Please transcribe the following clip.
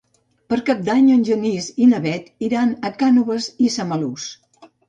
Per Cap d'Any en Genís i na Bet iran a Cànoves i Samalús.